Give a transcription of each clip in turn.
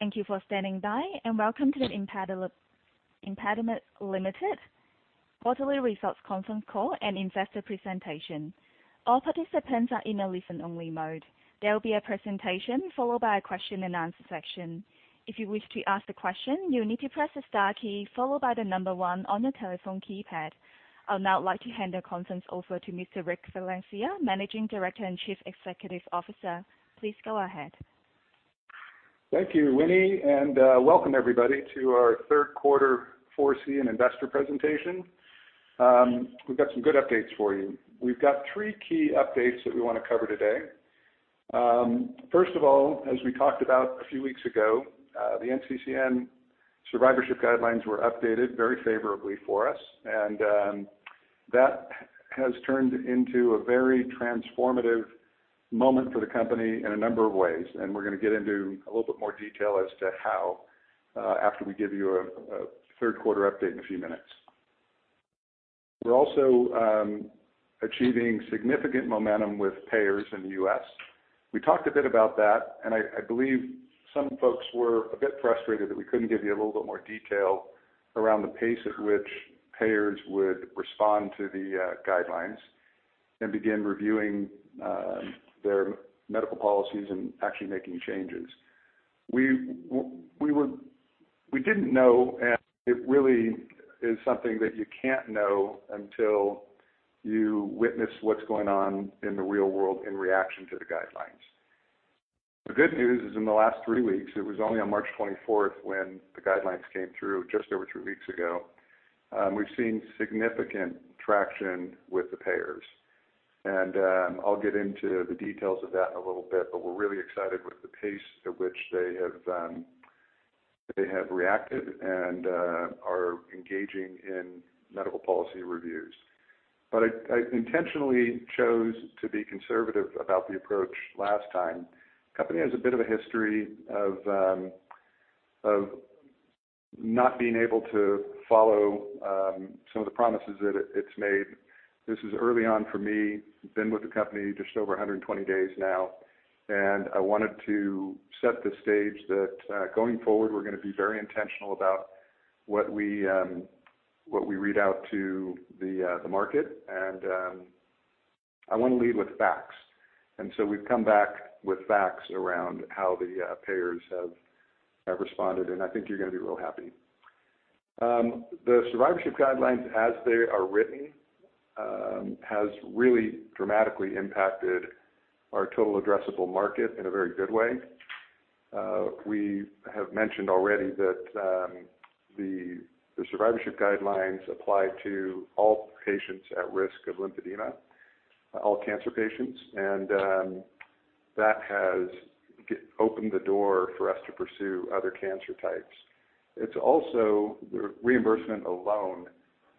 Thank you for standing by, welcome to the ImpediMed Limited Quarterly Results Conference Call and Investor Presentation. All participants are in a listen-only mode. There will be a presentation followed by a question-and-answer session. If you wish to ask a question, you will need to press the star key followed by the number 1 on your telephone keypad. I'll now like to hand the conference over to Mr. Rick Valencia, Managing Director and Chief Executive Officer. Please go ahead. Thank you, Winnie. Welcome everybody to our third quarter FY 2023 investor presentation. We've got some good updates for you. We've got 3 key updates that we wanna cover today. 1st of all, as we talked about a few weeks ago, the NCCN survivorship guidelines were updated very favorably for us. That has turned into a very transformative moment for the company in a number of ways. We're gonna get into a little bit more detail as to how, after we give you a third quarter update in a few minutes. We're also achieving significant momentum with payers in the U.S. We talked a bit about that, I believe some folks were a bit frustrated that we couldn't give you a little bit more detail around the pace at which payers would respond to the guidelines and begin reviewing their medical policies and actually making changes. We didn't know, and it really is something that you can't know until you witness what's going on in the real world in reaction to the guidelines. The good news is in the last 3 weeks, it was only on March 24th when the guidelines came through just over 3 weeks ago, we've seen significant traction with the payers. I'll get into the details of that in a little bit, but we're really excited with the pace at which they have reacted and are engaging in medical policy reviews. I intentionally chose to be conservative about the approach last time. Company has a bit of a history of not being able to follow some of the promises that it's made. This is early on for me. Been with the company just over 120 days now, I wanted to set the stage that going forward, we're gonna be very intentional about what we read out to the market. I wanna lead with facts. So we've come back with facts around how the payers have responded, and I think you're gonna be real happy. The survivorship guidelines as they are written has really dramatically impacted our total addressable market in a very good way. We have mentioned already that the survivorship guidelines apply to all patients at risk of lymphedema, all cancer patients, and that has opened the door for us to pursue other cancer types. It's also, the reimbursement alone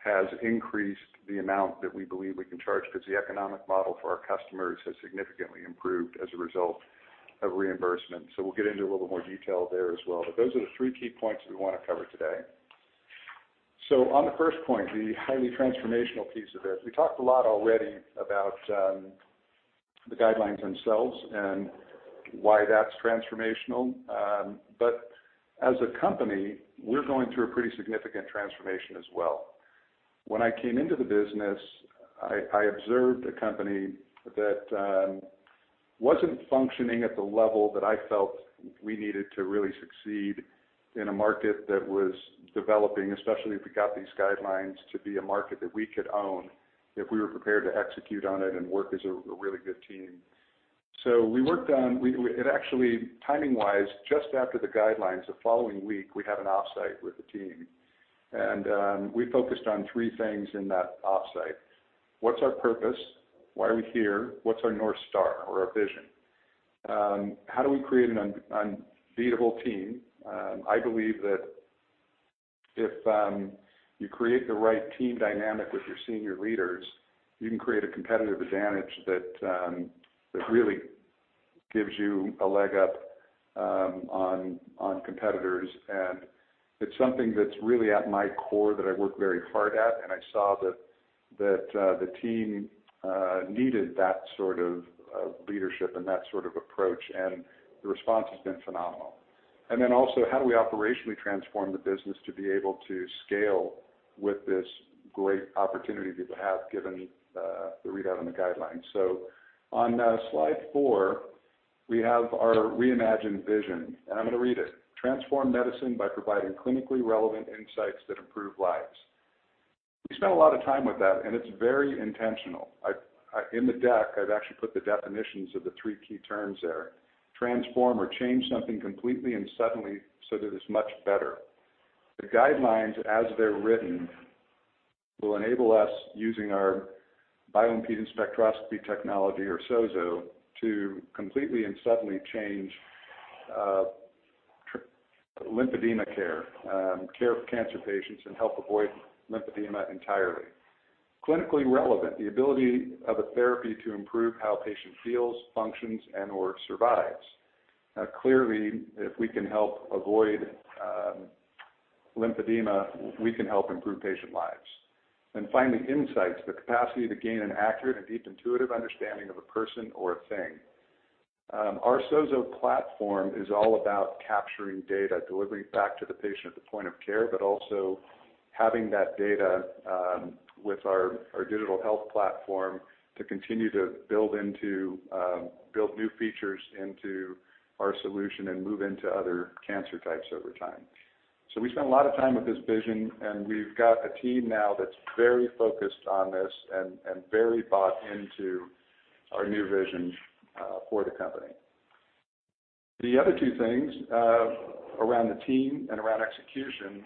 has increased the amount that we believe we can charge 'cause the economic model for our customers has significantly improved as a result of reimbursement. We'll get into a little bit more detail there as well. Those are the three key points we wanna cover today. On the first point, the highly transformational piece of this. We talked a lot already about the guidelines themselves and why that's transformational. As a company, we're going through a pretty significant transformation as well. When I came into the business, I observed a company that wasn't functioning at the level that I felt we needed to really succeed in a market that was developing, especially if we got these guidelines to be a market that we could own, if we were prepared to execute on it and work as a really good team. Well and actually, timing-wise, just after the guidelines, the following week, we had an offsite with the team. We focused on three things in that offsite. What's our purpose? Why are we here? What's our North Star or our vision? How do we create an unbeatable team? I believe that if you create the right team dynamic with your senior leaders, you can create a competitive advantage that really gives you a leg up on competitors. It's something that's really at my core that I work very hard at, and I saw that the team needed that sort of leadership and that sort of approach, and the response has been phenomenal. Also, how do we operationally transform the business to be able to scale with this great opportunity that we have given the readout and the guidelines? On Slide 4, we have our reimagined vision, and I'm gonna read it. "Transform medicine by providing clinically relevant insights that improve lives." We spent a lot of time with that, and it's very intentional. I... In the deck, I've actually put the definitions of the three key terms there. Transform or change something completely and suddenly so that it's much better. The guidelines, as they're written, will enable us using our bioimpedance spectroscopy technology or SOZO to completely and suddenly change lymphedema care for cancer patients and help avoid lymphedema entirely. Clinically relevant, the ability of a therapy to improve how a patient feels, functions, and/or survives. Clearly, if we can help avoid lymphedema, we can help improve patient lives. Finally, insights, the capacity to gain an accurate and deep intuitive understanding of a person or a thing. Our SOZO platform is all about capturing data, delivering it back to the patient at the point of care, but also having that data with our digital health platform to continue to build new features into our solution and move into other cancer types over time. We spend a lot of time with this vision, and we've got a team now that's very focused on this and very bought into our new vision for the company. The other two things around the team and around execution.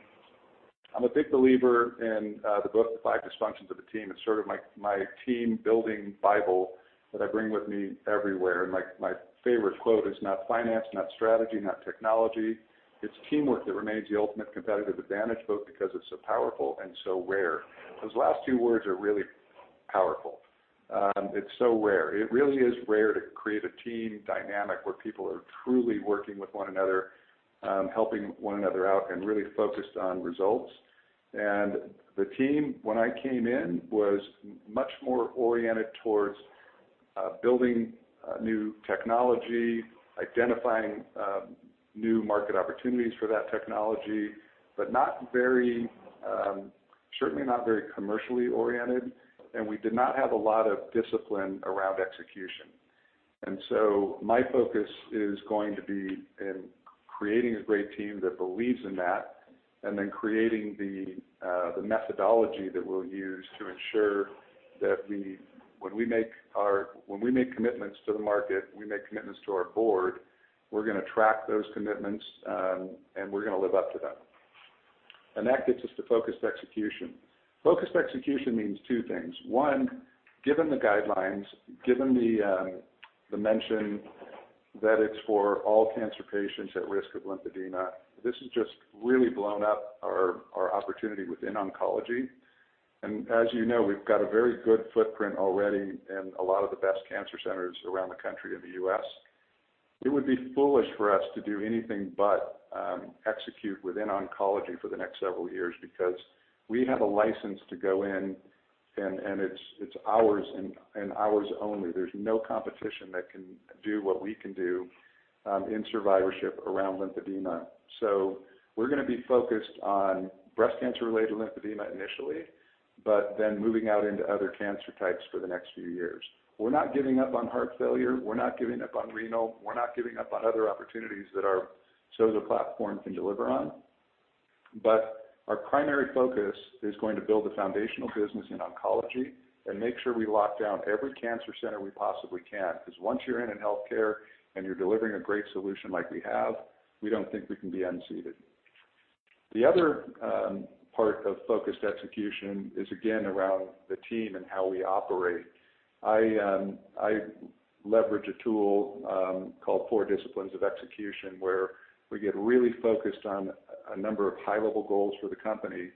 I'm a big believer in the book, The Five Dysfunctions of a Team. It's sort of my team-building Bible that I bring with me everywhere. My favorite quote is, "Not finance, not strategy, not technology. It's teamwork that remains the ultimate competitive advantage, both because it's so powerful and so rare." Those last two words are really powerful. It's so rare. It really is rare to create a team dynamic where people are truly working with one another, helping one another out and really focused on results. The team, when I came in, was much more oriented towards building new technology, identifying new market opportunities for that technology, but not very, certainly not very commercially oriented, and we did not have a lot of discipline around execution. My focus is going to be in creating a great team that believes in that and then creating the methodology that we'll use to ensure that we... When we make commitments to the market, we make commitments to our board, we're gonna track those commitments, and we're gonna live up to them. That gets us to focused execution. Focused execution means two things. One, given the guidelines, given the mention that it's for all cancer patients at risk of lymphedema, this has just really blown up our opportunity within oncology. As you know, we've got a very good footprint already in a lot of the best cancer centers around the country in the U.S. It would be foolish for us to do anything but, execute within oncology for the next several years because we have a license to go in and it's ours and ours only. There's no competition that can do what we can do, in survivorship around lymphedema. We're gonna be focused on breast cancer-related lymphedema initially, but then moving out into other cancer types for the next few years. We're not giving up on heart failure. We're not giving up on renal. We're not giving up on other opportunities that our SOZO platform can deliver on. Our primary focus is going to build a foundational business in oncology and make sure we lock down every cancer center we possibly can, 'cause once you're in in healthcare and you're delivering a great solution like we have, we don't think we can be unseated. The other part of focused execution is again around the team and how we operate. I leverage a tool called 4 Disciplines of Execution, where we get really focused on a number of high-level goals for the company,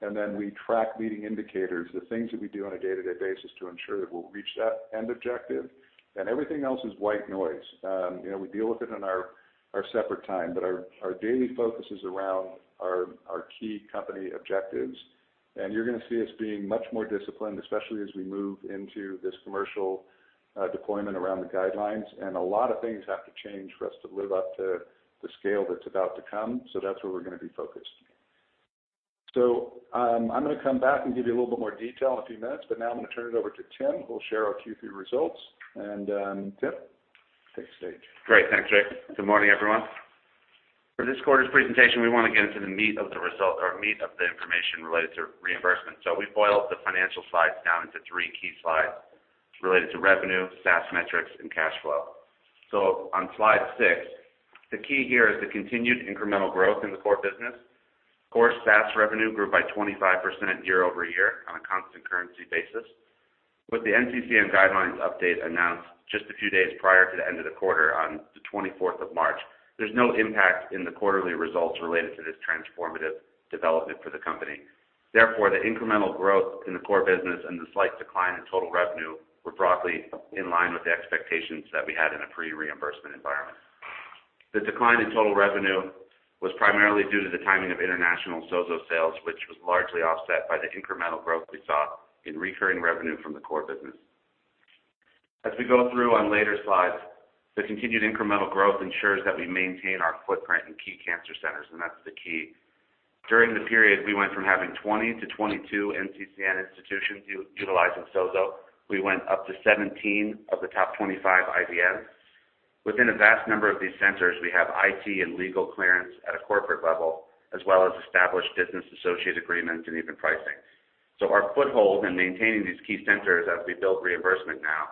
and then we track leading indicators, the things that we do on a day-to-day basis to ensure that we'll reach that end objective. Everything else is white noise. You know, we deal with it in our separate time, but our daily focus is around our key company objectives. You're gonna see us being much more disciplined, especially as we move into this commercial deployment around the guidelines. A lot of things have to change for us to live up to the scale that's about to come. That's where we're gonna be focused. I'm gonna come back and give you a little bit more detail in a few minutes, but now I'm gonna turn it over to Tim, who will share our Q3 results. Tim, take the stage. Great. Thanks, Rick. Good morning, everyone. For this quarter's presentation, we want to get into the meat of the result or meat of the information related to reimbursement. We boiled the financial slides down into 3 key slides. It's related to revenue, SaaS metrics, and cash flow. On Slide 6, the key here is the continued incremental growth in the core business. Core SaaS revenue grew by 25% year-over-year on a constant currency basis. With the NCCN guidelines update announced just a few days prior to the end of the quarter on the 24th of March, there's no impact in the quarterly results related to this transformative development for the company. Therefore, the incremental growth in the core business and the slight decline in total revenue were broadly in line with the expectations that we had in a pre-reimbursement environment. The decline in total revenue was primarily due to the timing of international SOZO sales, which was largely offset by the incremental growth we saw in recurring revenue from the core business. As we go through on later slides, the continued incremental growth ensures that we maintain our footprint in key cancer centers, and that's the key. During the period, we went from having 20-22 NCCN institutions utilizing SOZO. We went up to 17 of the top 25 IDNs. Within a vast number of these centers, we have IT and legal clearance at a corporate level, as well as established business associate agreements and even pricing. Our foothold in maintaining these key centers as we build reimbursement now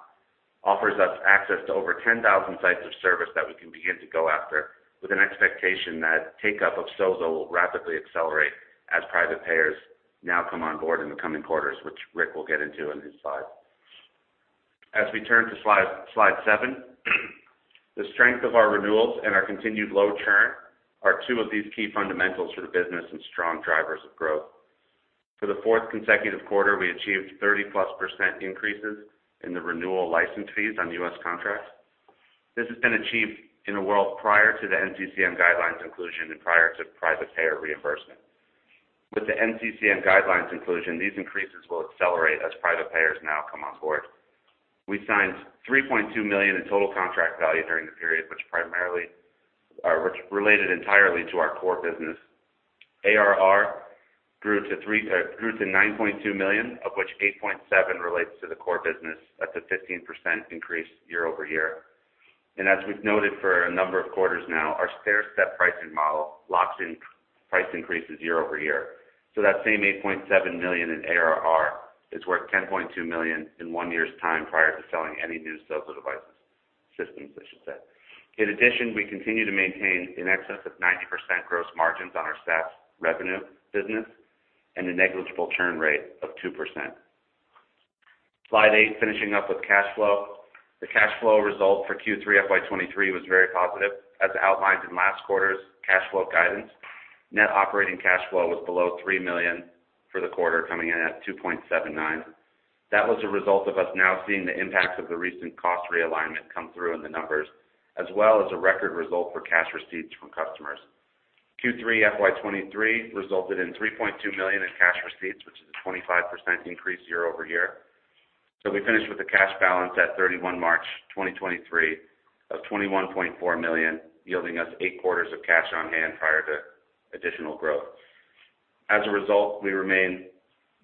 offers us access to over 10,000 sites of service that we can begin to go after with an expectation that take-up of SOZO will rapidly accelerate as private payers now come on board in the coming quarters, which Rick will get into in his slide. As we turn to Slide 7, the strength of our renewals and our continued low churn are two of these key fundamentals for the business and strong drivers of growth. For the fourth consecutive quarter, we achieved 30-plus % increases in the renewal license fees on U.S. contracts. This has been achieved in a world prior to the NCCN guidelines inclusion and prior to private payer reimbursement. With the NCCN guidelines inclusion, these increases will accelerate as private payers now come on board. We signed 3.2 million in total contract value during the period, which primarily are related entirely to our core business. ARR grew to 9.2 million, of which 8.7 million relates to the core business. That's a 15% increase year-over-year. As we've noted for a number of quarters now, our stair-step pricing model locks in price increases year-over-year. That same 8.7 million in ARR is worth 10.2 million in one year's time prior to selling any new SOZO devices, systems, I should say. In addition, we continue to maintain in excess of 90% gross margins on our SaaS revenue business and a negligible churn rate of 2%. Slide 8, finishing up with cash flow. The cash flow result for Q3 FY 2023 was very positive. As outlined in last quarter's cash flow guidance, net operating cash flow was below 3 million for the quarter, coming in at 2.79 million. That was a result of us now seeing the impact of the recent cost realignment come through in the numbers, as well as a record result for cash receipts from customers. Q3 FY '23 resulted in 3.2 million in cash receipts, which is a 25% increase year-over-year. We finished with a cash balance at 31 March 2023 of 21.4 million, yielding us 8 quarters of cash on hand prior to additional growth. As a result, we remain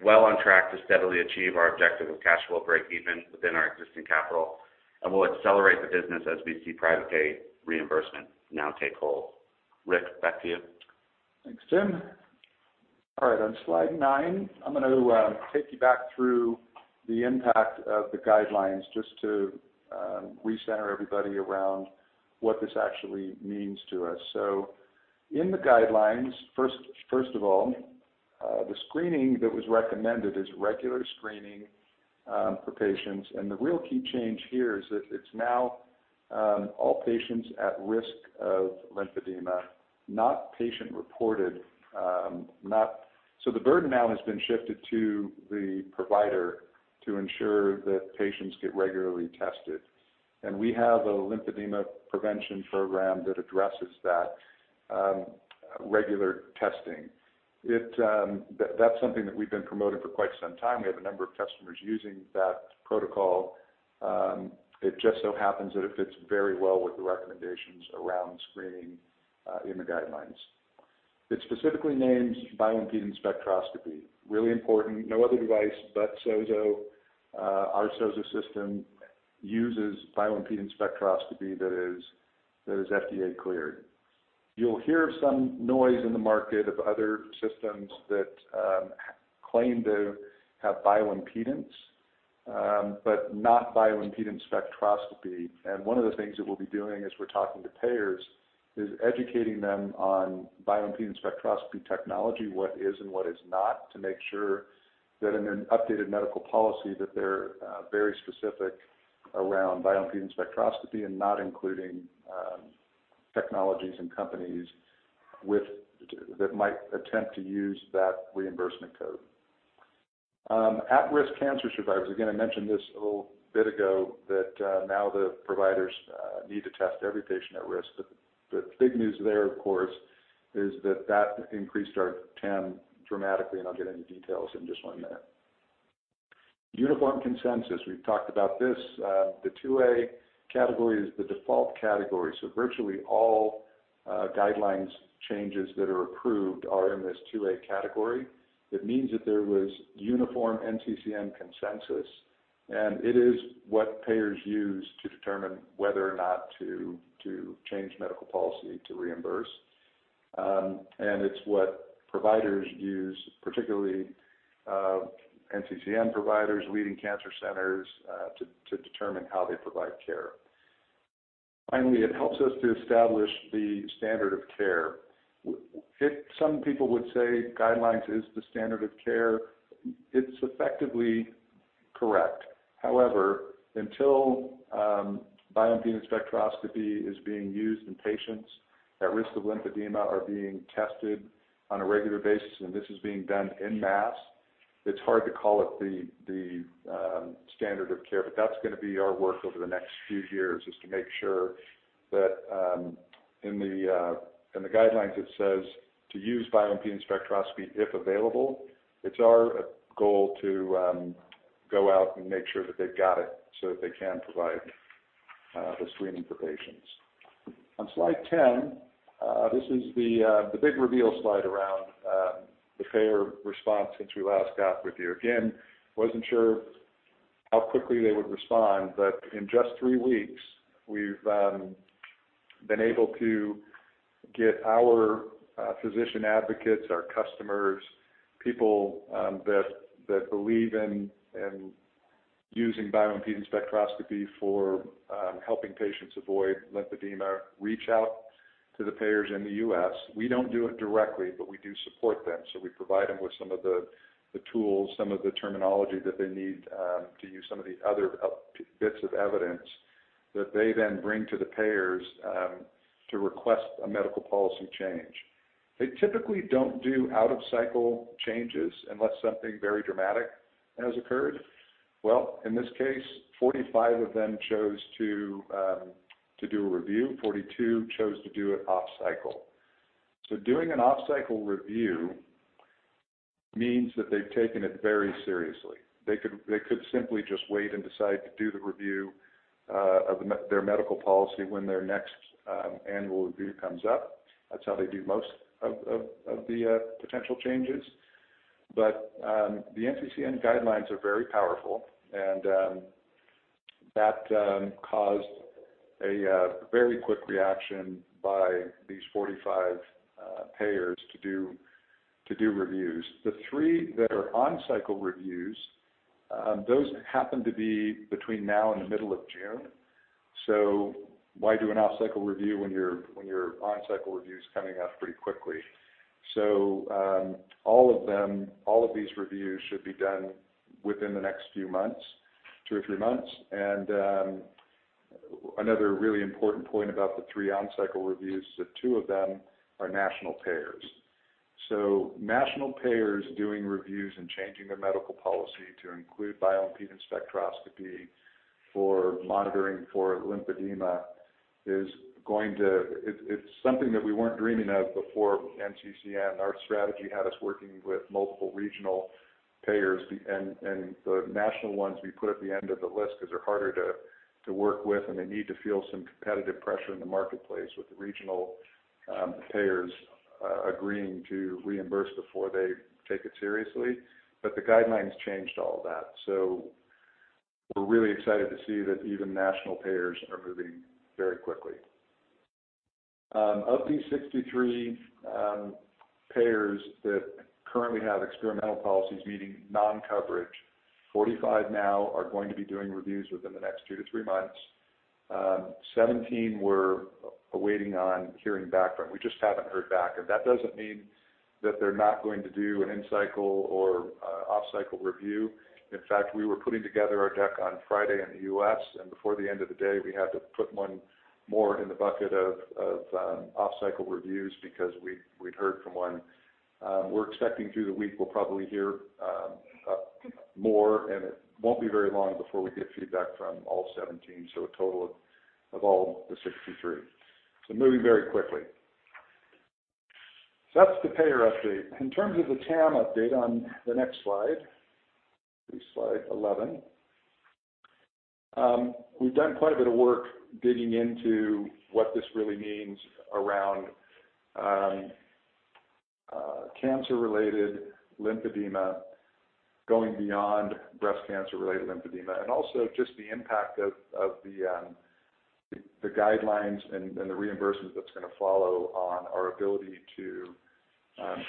well on track to steadily achieve our objective of cash flow breakeven within our existing capital, and we'll accelerate the business as we see private pay reimbursement now take hold. Rick, back to you. Thanks, Tim. All right. On Slide 9, I'm gonna take you back through the impact of the guidelines just to recenter everybody around what this actually means to us. In the guidelines, first of all, the screening that was recommended is regular screening for patients. The real key change here is that it's now all patients at risk of lymphedema, not patient-reported. So the burden now has been shifted to the provider to ensure that patients get regularly tested. We have a Lymphedema Prevention Program that addresses that regular testing. It, that's something that we've been promoting for quite some time. We have a number of customers using that protocol. It just so happens that it fits very well with the recommendations around screening in the guidelines. It specifically names bioimpedance spectroscopy. Really important. No other device but SOZO, our SOZO system uses bioimpedance spectroscopy that is FDA cleared. You'll hear some noise in the market of other systems that claim to have bioimpedance, but not bioimpedance spectroscopy. One of the things that we'll be doing as we're talking to payers is educating them on bioimpedance spectroscopy technology, what is and what is not, to make sure that in an updated medical policy, that they're very specific around bioimpedance spectroscopy and not including technologies and companies that might attempt to use that reimbursement code. At-risk cancer survivors, again, I mentioned this a little bit ago, that now the providers need to test every patient at risk. The big news there, of course, is that that increased our TAM dramatically, and I'll get into details in just 1 minute. Uniform consensus, we've talked about this. The 2A category is the default category. Virtually all guidelines changes that are approved are in this 2A category. It means that there was uniform NCCN consensus, and it is what payers use to determine whether or not to change medical policy to reimburse. It's what providers use, particularly NCCN providers, leading cancer centers, to determine how they provide care. Finally, it helps us to establish the standard of care. Some people would say guidelines is the standard of care. It's effectively correct. However, until bioimpedance spectroscopy is being used and patients at risk of lymphedema are being tested on a regular basis, and this is being done en masse, it's hard to call it the standard of care. That's gonna be our work over the next few years, is to make sure that, in the guidelines it says to use bioimpedance spectroscopy if available. It's our goal to go out and make sure that they've got it so that they can provide the screening for patients. On Slide 10, this is the big reveal slide around the payer response since we last got with you. Again, wasn't sure how quickly they would respond, but in just three weeks, we've been able to get our physician advocates, our customers, people that believe in using bioimpedance spectroscopy for helping patients avoid lymphedema reach out to the payers in the U.S. We don't do it directly, but we do support them. We provide them with some of the tools, some of the terminology that they need to use some of the other bits of evidence that they then bring to the payers to request a medical policy change. They typically don't do out-of-cycle changes unless something very dramatic has occurred. Well, in this case, 45 of them chose to do a review. 42 chose to do it off-cycle. Doing an off-cycle review means that they've taken it very seriously. They could simply just wait and decide to do the review of their medical policy when their next annual review comes up. That's how they do most of the potential changes. The NCCN guidelines are very powerful, and that caused a very quick reaction by these 45 payers to do reviews. The 3 that are on-cycle reviews, those happen to be between now and the middle of June. Why do an off-cycle review when your on-cycle review's coming up pretty quickly? All of these reviews should be done within the next few months, 2 or 3 months. Another really important point about the 3 on-cycle reviews is that 2 of them are national payers. National payers doing reviews and changing their medical policy to include bioimpedance spectroscopy for monitoring for lymphedema. It's something that we weren't dreaming of before NCCN. Our strategy had us working with multiple regional payers and the national ones we put at the end of the list because they're harder to work with and we need to feel some competitive pressure in the market place with the regional payers agreeing to reimburse the four day.. to take it seriously but the guidelines change all that so we are really excited to see that even national payers are moving very quickly. Of these 63 payers that currently have explicit non-coverage policies meaning non coverage 45 know doing reviews on the next 2 to 3 months, 17 were awaiting on clearing background, we just haven't heard back, that does not mean that there not going to do an in-cycle or out-cycle review, in fact we are we are putting together our deck on Friday in the U.S. Before the end of the day, we had to put 1 more in the bucket of off-cycle reviews because we'd heard from 1. We're expecting through the week we'll probably hear more, and it won't be very long before we get feedback from all 17, so a total of all the 63. Moving very quickly. That's the payer update. In terms of the TAM update on the next slide, it'll be Slide 11. We've done quite a bit of work digging into what this really means around cancer-related lymphedema going beyond breast cancer-related lymphedema, and also just the impact of the guidelines and the reimbursements that's gonna follow on our ability to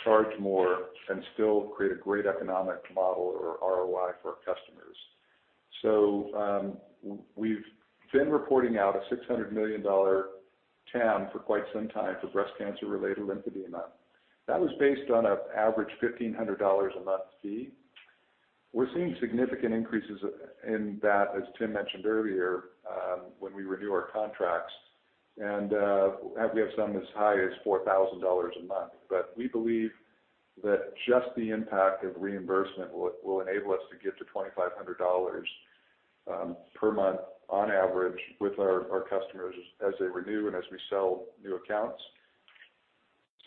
charge more and still create a great economic model or ROI for our customers. We've been reporting out a $600 million TAM for quite some time for breast cancer-related lymphedema. That was based on an average $1,500 a month fee. We're seeing significant increases in that, as Tim mentioned earlier, when we renew our contracts, and we have some as high as $4,000 a month. We believe that just the impact of reimbursement will enable us to get to $2,500 per month on average with our customers as they renew and as we sell new accounts.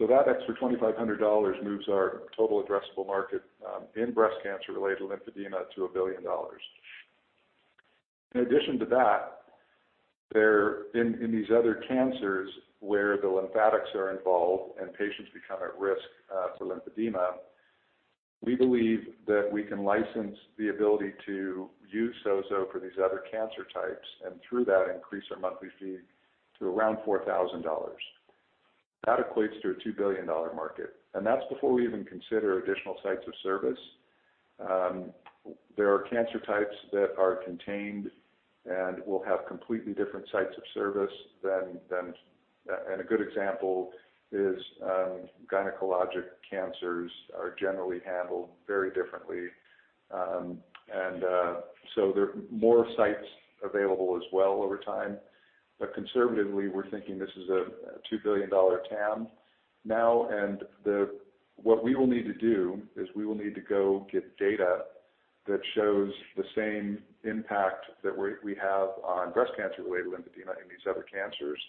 That extra $2,500 moves our total addressable market in breast cancer-related lymphedema to $1 billion. In addition to that, there... In these other cancers where the lymphatics are involved and patients become at risk for lymphedema, we believe that we can license the ability to use SOZO for these other cancer types and through that increase our monthly fee to around $4,000. That equates to a $2 billion market, That's before we even consider additional sites of service. There are cancer types that are contained and will have completely different sites of service than. A good example is gynecologic cancers are generally handled very differently. There are more sites available as well over time. Conservatively, we're thinking this is a $2 billion TAM now, and the. What we will need to do is we will need to go get data that shows the same impact that we have on breast cancer-related lymphedema in these other cancers.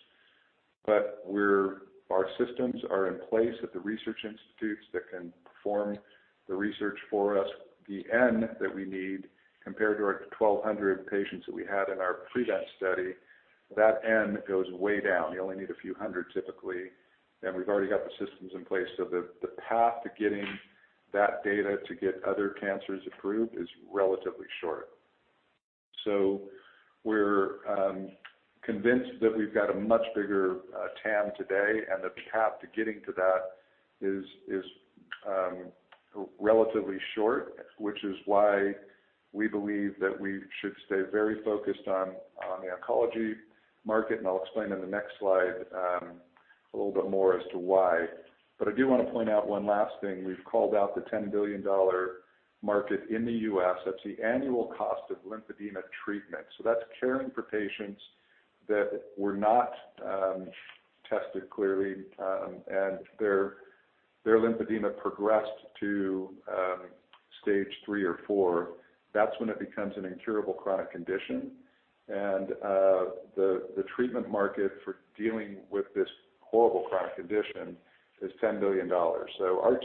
Our systems are in place at the research institutes that can perform the research for us. The N that we need compared to our 1,200 patients that we had in our PREVENT study, that N goes way down. You only need a few hundred typically, and we've already got the systems in place. The path to getting that data to get other cancers approved is relatively short. We're convinced that we've got a much bigger TAM today, and the path to getting to that is relatively short, which is why we believe that we should stay very focused on the oncology market. I'll explain in the next slide, a little bit more as to why. I do wanna point out one last thing. We've called out the $10 billion market in the U.S. That's the annual cost of lymphedema treatment. That's caring for patients that were not tested clearly, and their lymphedema progressed to stage 3 or 4. That's when it becomes an incurable chronic condition. The treatment market for dealing with this horrible chronic condition is $10 billion. Our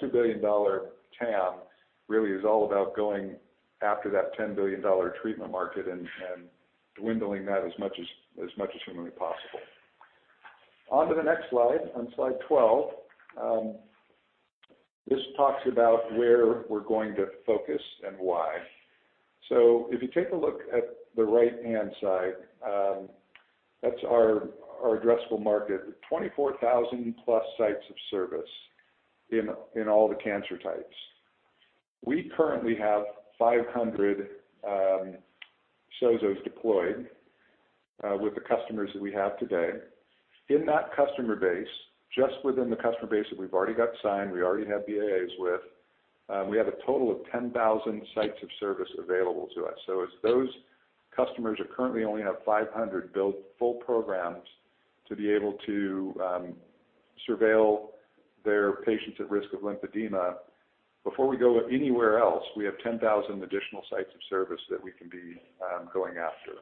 $2 billion TAM really is all about going after that $10 billion treatment market and dwindling that as much as humanly possible. On to the next slide, on Slide 12. This talks about where we're going to focus and why. If you take a look at the right-hand side, that's our addressable market. 24,000 plus sites of service in all the cancer types. We currently have 500 SOZOs deployed with the customers that we have today. In that customer base, just within the customer base that we've already got signed, we already have BAAs with, we have a total of 10,000 sites of service available to us. As those customers are currently only have 500 built full programs to be able to surveil their patients at risk of lymphedema, before we go anywhere else, we have 10,000 additional sites of service that we can be going after.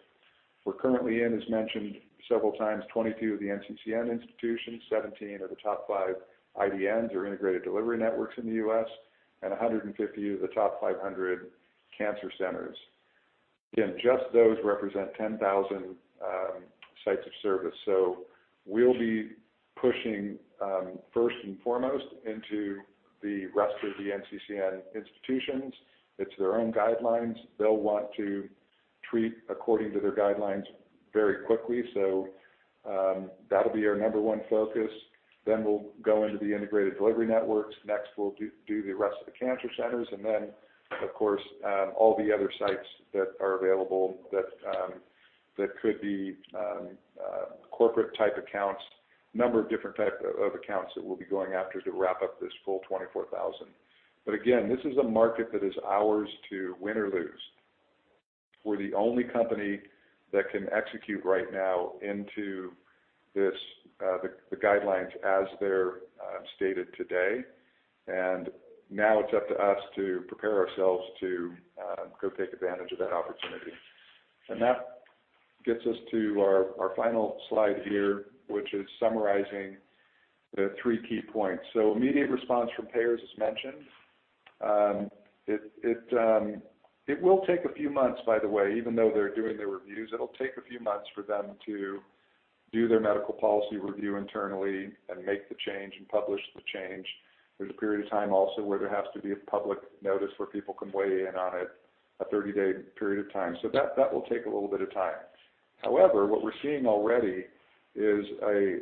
We're currently in, as mentioned several times, 22 of the NCCN institutions, 17 of the top 5 IDNs or integrated delivery networks in the U.S., and 150 of the top 500 cancer centers. Just those represent 10,000 sites of service. We'll be pushing first and foremost into the rest of the NCCN institutions. It's their own guidelines. They'll want to treat according to their guidelines very quickly. That'll be our number one focus. We'll go into the integrated delivery networks. We'll do the rest of the cancer centers. Of course, all the other sites that are available that could be corporate type accounts. Number of different type of accounts that we'll be going after to wrap up this full 24,000. Again, this is a market that is ours to win or lose. We're the only company that can execute right now into this, the guidelines as they're stated today. Now it's up to us to prepare ourselves to go take advantage of that opportunity. That gets us to our final slide here, which is summarizing the three key points. Immediate response from payers, as mentioned. It will take a few months, by the way, even though they're doing the reviews, it'll take a few months for them to do their medical policy review internally and make the change and publish the change. There's a period of time also where there has to be a public notice where people can weigh in on it, a 30-day period of time. That will take a little bit of time. However, what we're seeing already is a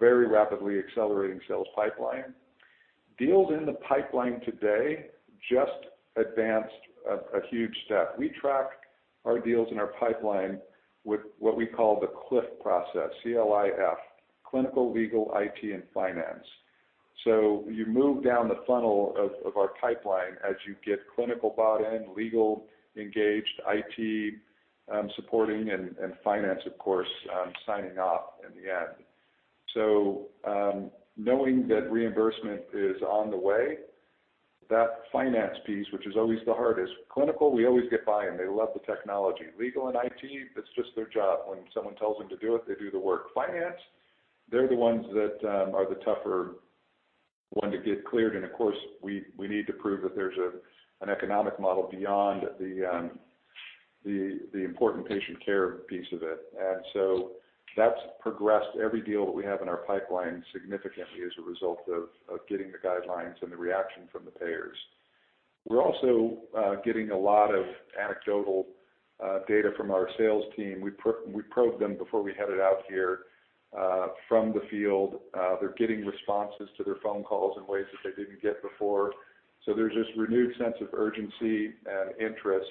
very rapidly accelerating sales pipeline. Deals in the pipeline today just advanced a huge step. We track our deals in our pipeline with what we call the CLIF process, C-L-I-F, clinical, legal, IT, and finance. You move down the funnel of our pipeline as you get clinical bought in, legal engaged, IT, supporting, and finance, of course, signing off in the end. Knowing that reimbursement is on the way, that finance piece, which is always the hardest. Clinical, we always get by, and they love the technology. Legal and IT, it's just their job. When someone tells them to do it, they do the work. Finance, they're the ones that are the tougher one to get cleared. Of course, we need to prove that there's an economic model beyond the important patient care piece of it. That's progressed every deal that we have in our pipeline significantly as a result of getting the guidelines and the reaction from the payers. We're also getting a lot of anecdotal data from our sales team. We probed them before we headed out here from the field. They're getting responses to their phone calls in ways that they didn't get before. There's this renewed sense of urgency and interest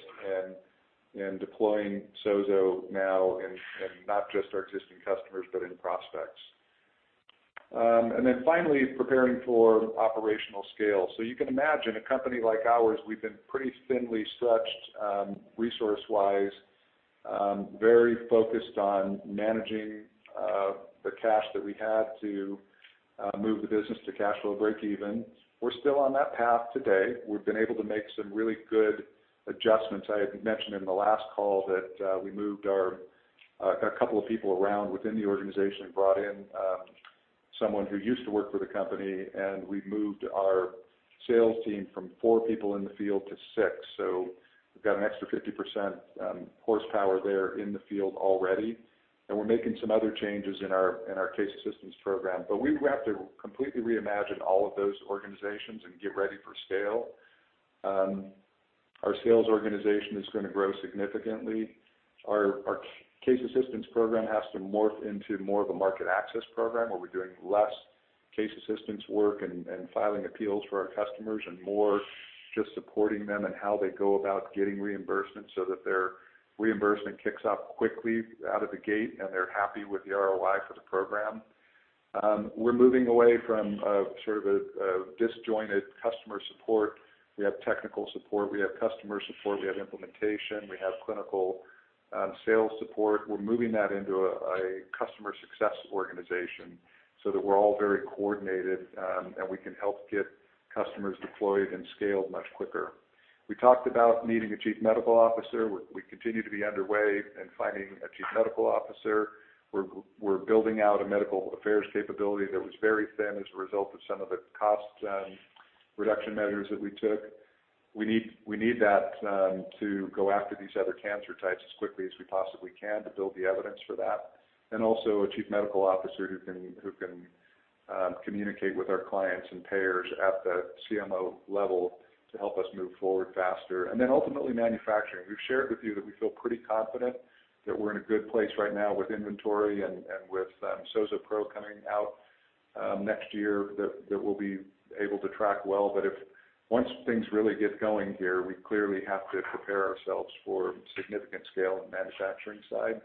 in deploying SOZO now in not just our existing customers, but in prospects. Then finally, preparing for operational scale. You can imagine a company like ours, we've been pretty thinly stretched resource-wise. Very focused on managing the cash that we had to move the business to cash flow breakeven. We're still on that path today. We've been able to make some really good adjustments. I had mentioned in the last call that we moved our couple of people around within the organization and brought in someone who used to work for the company, and we've moved our sales team from 4 people in the field to 6. We've got an extra 50% horsepower there in the field already. We're making some other changes in our case assistance program. We have to completely reimagine all of those organizations and get ready for scale. Our sales organization is gonna grow significantly. Our case assistance program has to morph into more of a market access program where we're doing less case assistance work and filing appeals for our customers and more just supporting them in how they go about getting reimbursements so that their reimbursement kicks off quickly out of the gate, and they're happy with the ROI for the program. We're moving away from a sort of a disjointed customer support. We have technical support, we have customer support, we have implementation, we have clinical sales support. We're moving that into a customer success organization so that we're all very coordinated, and we can help get customers deployed and scaled much quicker. We talked about needing a chief medical officer. We continue to be underway in finding a chief medical officer. We're building out a medical affairs capability that was very thin as a result of some of the cost reduction measures that we took. We need that to go after these other cancer types as quickly as we possibly can to build the evidence for that. Also, a chief medical officer who can communicate with our clients and payers at the CMO level to help us move forward faster. Ultimately manufacturing. We've shared with you that we feel pretty confident that we're in a good place right now with inventory and with SOZO Pro coming out next year that will be able to track well. If once things really get going here, we clearly have to prepare ourselves for significant scale in the manufacturing side.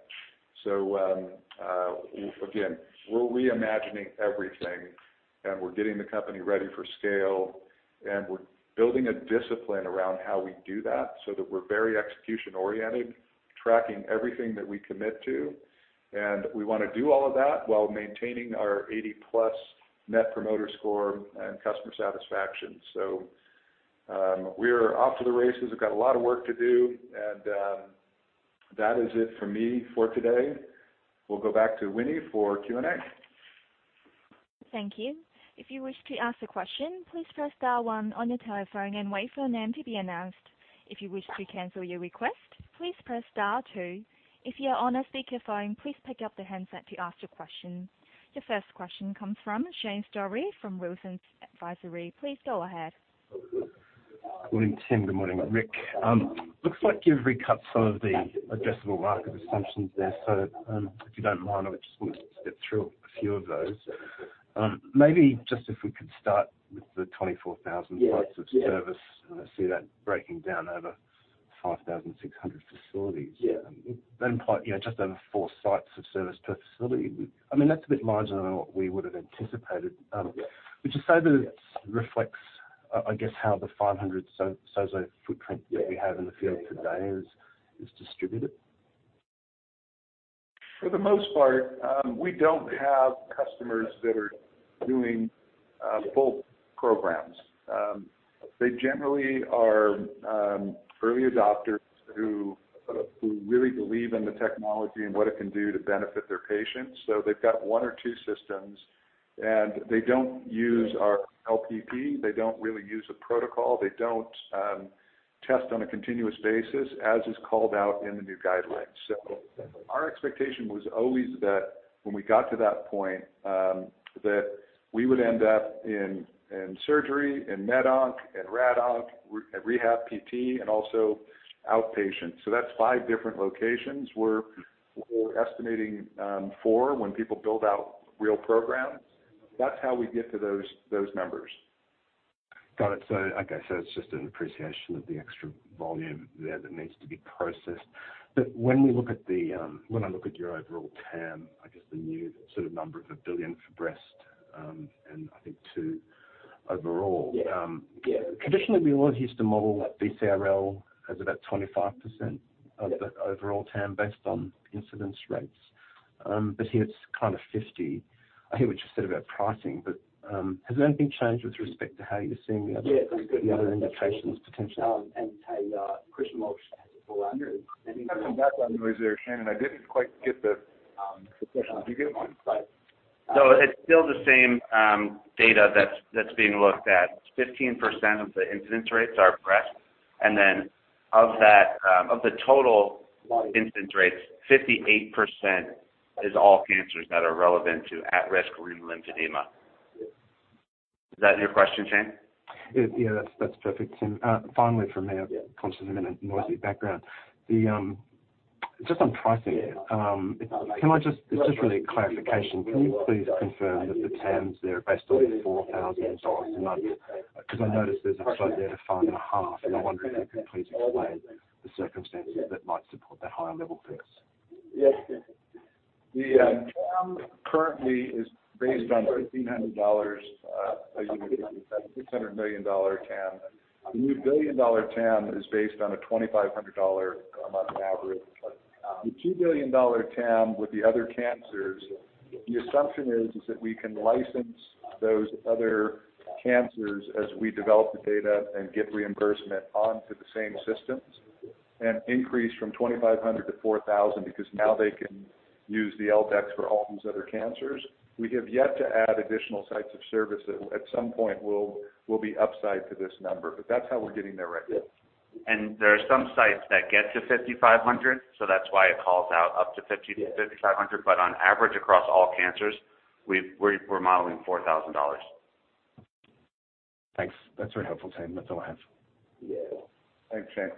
Again, we're reimagining everything, and we're getting the company ready for scale, and we're building a discipline around how we do that so that we're very execution-oriented, tracking everything that we commit to. We wanna do all of that while maintaining our 80 plus Net Promoter Score and customer satisfaction. We are off to the races. We've got a lot of work to do and, that is it for me for today. We'll go back to Winnie for Q&A. Thank you. If you wish to ask a question, please press star 1 on your telephone and wait for your name to be announced. If you wish to cancel your request, please press star two. If you're on a speakerphone, please pick up the handset to ask your question. Your first question comes from Shane Storey from Wilsons Advisory. Please go ahead. Good morning, Tim. Good morning, Rick. looks like you've recut some of the addressable market assumptions there. if you don't mind, I just want to step through a few of those. maybe just if we could start with the 24,000- Yeah. sites of service. I see that breaking down over 5,600 facilities. Yeah. quite, you know, just over four sites of service per facility. I mean, that's a bit marginal than what we would've anticipated. Yeah. Would you say that reflects, I guess, how the 500 SOZO footprint that we have in the field today is distributed? For the most part, we don't have customers that are doing full programs. They generally are early adopters who really believe in the technology and what it can do to benefit their patients. They've got one or two systems, and they don't use our LPP. They don't really use a protocol. They don't test on a continuous basis, as is called out in the new guidelines. Our expectation was always that when we got to that point, that we would end up in surgery, in med onc, in rad onc, rehab PT, and also outpatient. That's five different locations. We're estimating four when people build out real programs. That's how we get to those numbers. Got it. Like I said, it's just an appreciation of the extra volume there that needs to be processed. When I look at your overall TAM, I guess the new sort of number of $1 billion for breast, and I think 2 overall. Yeah. Yeah. Traditionally, we all used to model that BCRL has about 25%. Yeah. -of the overall TAM based on incidence rates. Here it's kind of 50. I hear what you said about pricing, but has anything changed with respect to how you're seeing the other. Yeah. the other indications potentially? Christian Moss has a follow-on. You have some background noise there, Shane, and I didn't quite get the, did you get mine? No, it's still the same, data that's being looked at. 15% of the incidence rates are breast. Of that, of the total incidence rates, 58% is all cancers that are relevant to at-risk rural lymphedema. Is that your question, Shane? That's perfect, Tim. Finally from me. Sorry about the constant amount of noisy background. Just on pricing. Can I just, it's just really a clarification. Can you please confirm that the TAMs there are based on $4,000 a month? I noticed there's a slide there of five and a half, and I wonder if you could please explain the circumstances that might support that higher level price. The TAM currently is based on $1,500. You said $600 million TAM. The new $1 billion TAM is based on a $2,500 a month average. The $2 billion TAM with the other cancers, the assumption is that we can license those other cancers as we develop the data and get reimbursement onto the same systems and increase from $2,500 to $4,000, because now they can use the L-Dex for all those other cancers. We have yet to add additional sites of service that at some point will be upside to this number, but that's how we're getting there right now. There are some sites that get to $5,500, so that's why it calls out up to $5,000-$5,500. On average, across all cancers, we're modeling $4,000. Thanks. That's very helpful, Tim. That's all I have. Yeah. Thanks, Tim.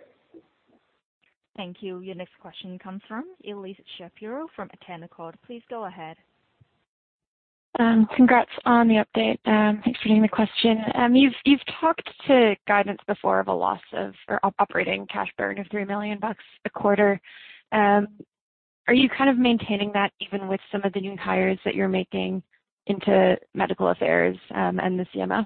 Thank you. Your next question comes from Elyse Shapiro from Canaccord Genuity. Please go ahead. Congrats on the update. Thanks for taking the question. You've talked to guidance before of a loss of or operating cash burn of $3 million a quarter. Are you kind of maintaining that even with some of the new hires that you're making into medical affairs and the CMO?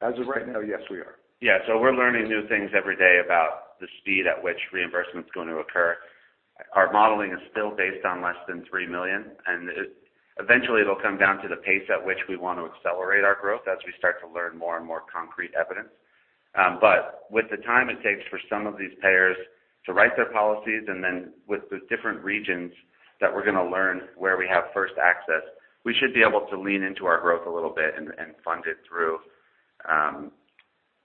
As of right now, yes, we are. Yeah. We're learning new things every day about the speed at which reimbursement is going to occur. Our modeling is still based on less than $3 million, eventually, it'll come down to the pace at which we want to accelerate our growth as we start to learn more and more concrete evidence. With the time it takes for some of these payers to write their policies and then with the different regions that we're gonna learn where we have first access, we should be able to lean into our growth a little bit and fund it through,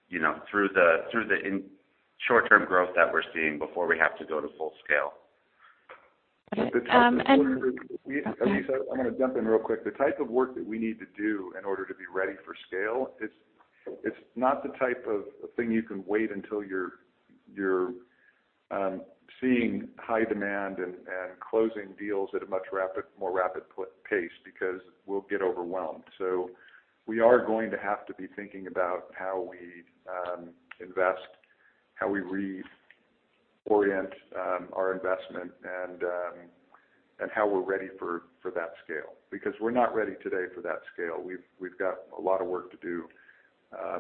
you know, through the short-term growth that we're seeing before we have to go to full scale. Okay. Elyse, I'm gonna jump in real quick. The type of work that we need to do in order to be ready for scale, it's not the type of thing you can wait until you're seeing high demand and closing deals at a much more rapid pace because we'll get overwhelmed. We are going to have to be thinking about how we invest, how we re-orient our investment and how we're ready for that scale. We're not ready today for that scale. We've got a lot of work to do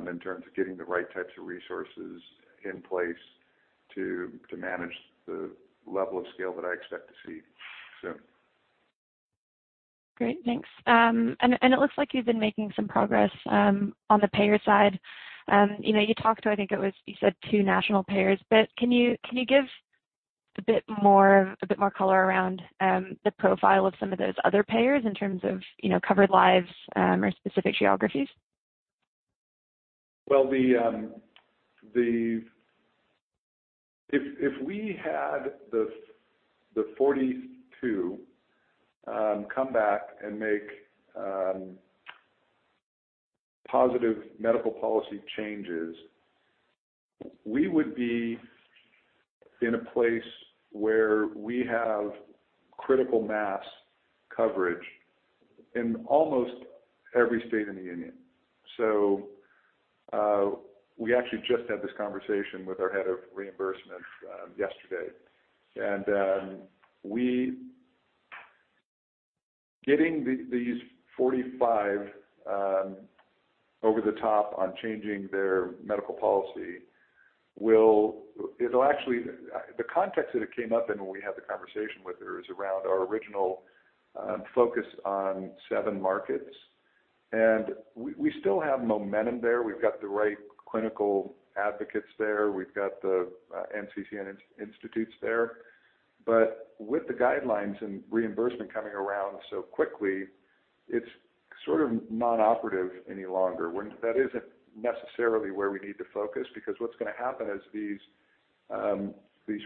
in terms of getting the right types of resources in place to manage the level of scale that I expect to see soon. Great. Thanks. It looks like you've been making some progress on the payer side. You know, you talked to, I think it was, you said two national payers. Can you give a bit more color around the profile of some of those other payers in terms of, you know, covered lives, or specific geographies? Well, the, if we had the 42 come back and make positive medical policy changes, we would be in a place where we have critical mass coverage in almost every state in the union. We actually just had this conversation with our head of reimbursement yesterday. We, getting these 45 over the top on changing their medical policy, it'll actually, the context that it came up in when we had the conversation with her is around our original focus on 7 markets. We still have momentum there. We've got the right clinical advocates there. We've got the NCCN institutes there. With the guidelines and reimbursement coming around so quickly, it's sort of non-operative any longer. That isn't necessarily where we need to focus, because what's gonna happen as these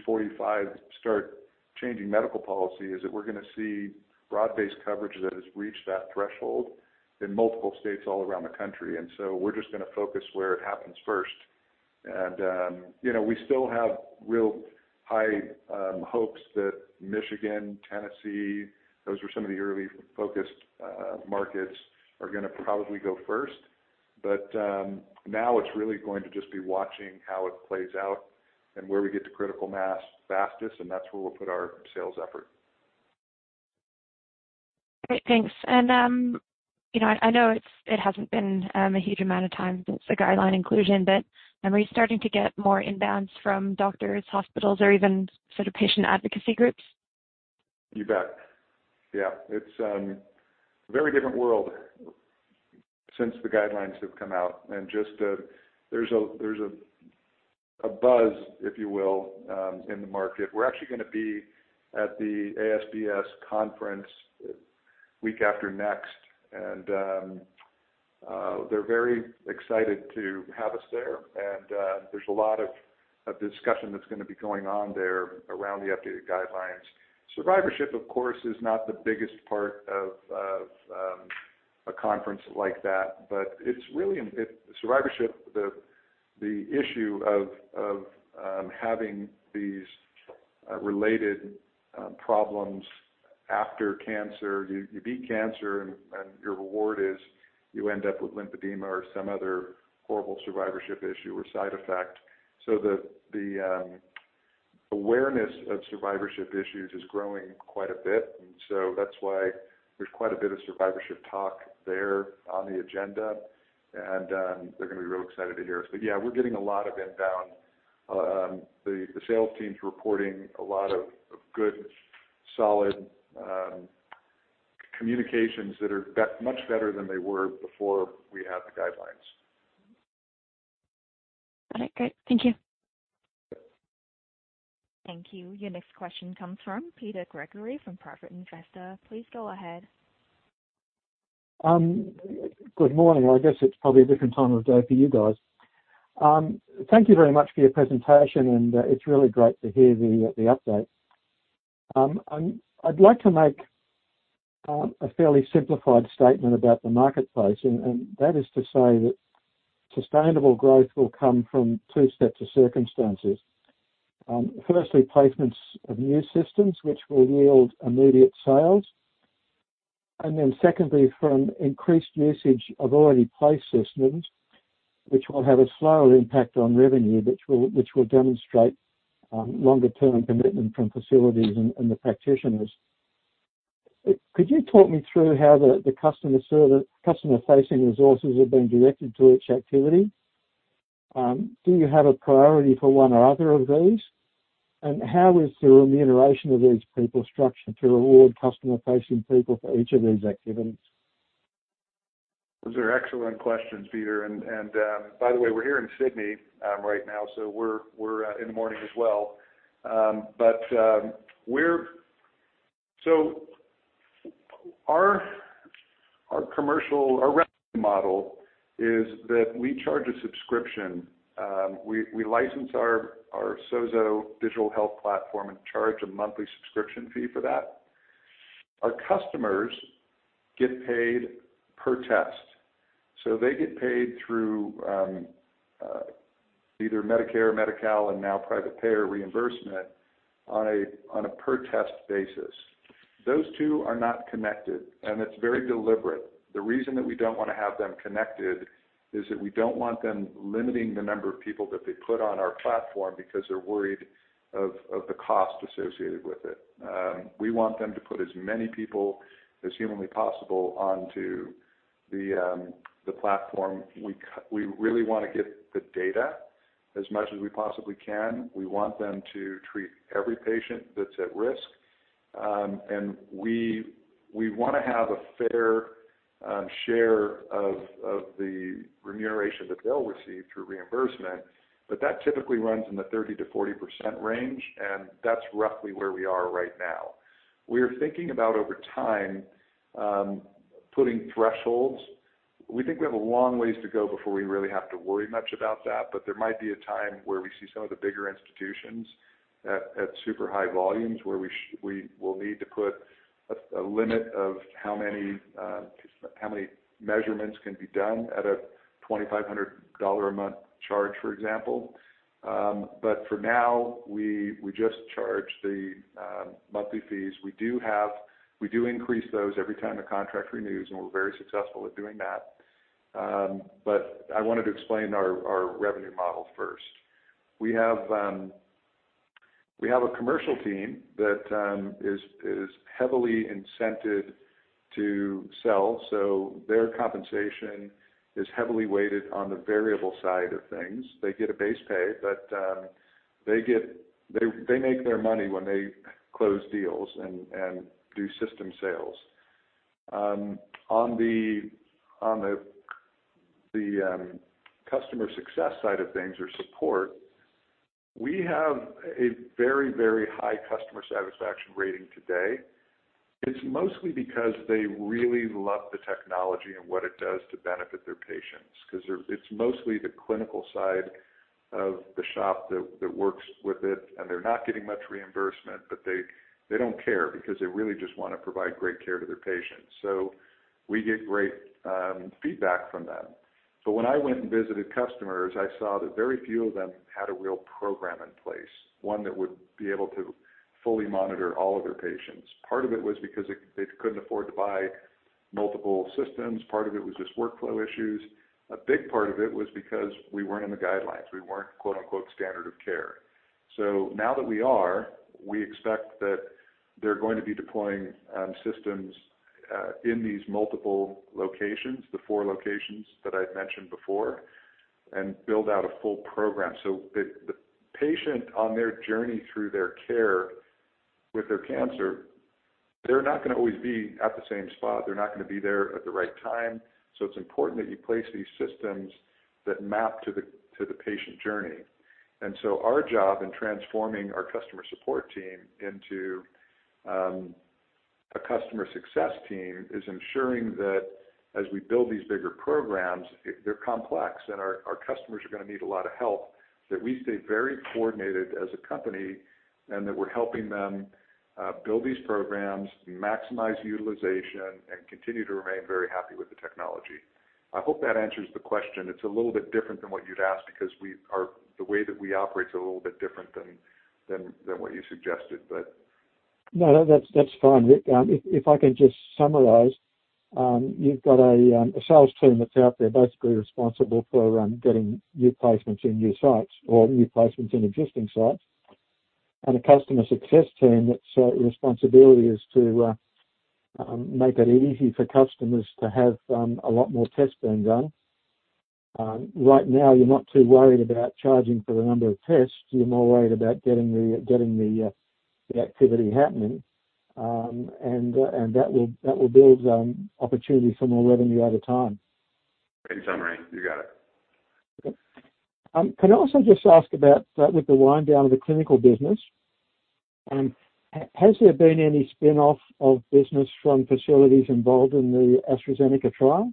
45 start changing medical policy is that we're gonna see broad-based coverage that has reached that threshold in multiple states all around the country. We're just gonna focus where it happens first. You know, we still have real high hopes that Michigan, Tennessee, those were some of the early focused markets, are gonna probably go first. Now it's really going to just be watching how it plays out and where we get to critical mass fastest, and that's where we'll put our sales effort. Great. Thanks. You know, I know it hasn't been a huge amount of time since the guideline inclusion, but are we starting to get more inbounds from doctors, hospitals, or even sort of patient advocacy groups? You bet. Yeah. It's a very different world since the guidelines have come out. Just there's a buzz, if you will, in the market. We're actually gonna be at the ASBS conference week after next, and they're very excited to have us there. There's a lot of discussion that's gonna be going on there around the updated guidelines. Survivorship, of course, is not the biggest part of a conference like that, but it's really survivorship, the issue of having these related problems after cancer. You beat cancer and your reward is you end up with lymphedema or some other horrible survivorship issue or side effect. The awareness of survivorship issues is growing quite a bit. That's why there's quite a bit of survivorship talk there on the agenda. They're gonna be real excited to hear us. Yeah, we're getting a lot of inbound. The sales team's reporting a lot of good, solid communications that are much better than they were before we had the guidelines. All right. Great. Thank you. Okay. Thank you. Your next question comes from Peter Gregory from Private Investor. Please go ahead. Good morning, or I guess it's probably a different time of day for you guys. Thank you very much for your presentation, and it's really great to hear the update. I'd like to make a fairly simplified statement about the marketplace, that is to say that sustainable growth will come from two sets of circumstances. Firstly, placements of new systems which will yield immediate sales. Secondly, from increased usage of already placed systems, which will have a slower impact on revenue, which will demonstrate longer-term commitment from facilities and the practitioners. Could you talk me through how the customer-facing resources have been directed to each activity? Do you have a priority for one or other of these? How is the remuneration of these people structured to reward customer-facing people for each of these activities? Those are excellent questions, Peter. By the way, we're here in Sydney right now, so we're in the morning as well. Our revenue model is that we charge a subscription. We license our SOZO digital health platform and charge a monthly subscription fee for that. Our customers get paid per test, so they get paid through either Medicare, Medi-Cal, and now private payer reimbursement on a per test basis. Those two are not connected, and it's very deliberate. The reason that we don't wanna have them connected is that we don't want them limiting the number of people that they put on our platform because they're worried of the cost associated with it. We want them to put as many people as humanly possible onto the platform. We really wanna get the data as much as we possibly can. We want them to treat every patient that's at risk. We, we wanna have a fair share of the remuneration that they'll receive through reimbursement, but that typically runs in the 30%-40% range, and that's roughly where we are right now. We're thinking about over time, putting thresholds. We think we have a long ways to go before we really have to worry much about that. There might be a time where we see some of the bigger institutions at super high volumes where we will need to put a limit of how many measurements can be done at a $2,500 a month charge, for example. For now, we just charge the monthly fees. We do increase those every time the contract renews, and we're very successful with doing that. I wanted to explain our revenue model first. We have a commercial team that is heavily incented to sell, so their compensation is heavily weighted on the variable side of things. They get a base pay, but they make their money when they close deals and do system sales. On the customer success side of things or support, we have a very high customer satisfaction rating today. It's mostly because they really love the technology and what it does to benefit their patients because it's mostly the clinical side of the shop that works with it, and they're not getting much reimbursement, but they don't care because they really just wanna provide great care to their patients. We get great feedback from them. When I went and visited customers, I saw that very few of them had a real program in place, one that would be able to fully monitor all of their patients. Part of it was because it, they couldn't afford to buy multiple systems. Part of it was just workflow issues. A big part of it was because we weren't in the guidelines. We weren't, quote-unquote, standard of care. Now that we are, we expect that they're going to be deploying systems in these multiple locations, the 4 locations that I'd mentioned before, and build out a full program. The patient on their journey through their care with their cancer, they're not gonna always be at the same spot. They're not gonna be there at the right time. It's important that you place these systems that map to the patient journey. Our job in transforming our customer support team into a customer success team is ensuring that as we build these bigger programs, if they're complex and our customers are going to need a lot of help, that we stay very coordinated as a company and that we're helping them build these programs, maximize utilization, and continue to remain very happy with the technology. I hope that answers the question. It's a little bit different than what you'd asked because the way that we operate is a little bit different than what you suggested, but. No, no. That's fine. If I can just summarize, you've got a sales team that's out there basically responsible for getting new placements in new sites or new placements in existing sites, and a customer success team that's responsibility is to make it easy for customers to have a lot more tests being done. Right now you're not too worried about charging for the number of tests. You're more worried about getting the activity happening. And that will build opportunity for more revenue over time. In summary, you got it. Okay. Can I also just ask about, with the wind down of the clinical business, has there been any spin-off of business from facilities involved in the AstraZeneca trial?